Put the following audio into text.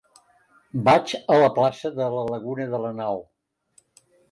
Vaig a la plaça de la Laguna de Lanao.